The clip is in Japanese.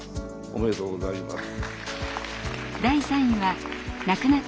おめでとうございます。